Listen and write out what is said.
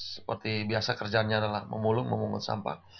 seperti biasa kerjanya adalah memulung memungut sampah